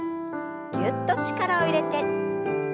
ぎゅっと力を入れて。